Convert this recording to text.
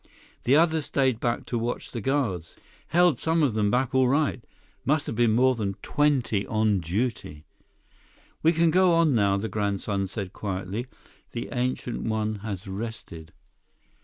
The others stayed back to watch the guards. Held some of them back all right. Must have been more than twenty on duty." "We can go on now," the grandson said quietly. "The Ancient One has rested."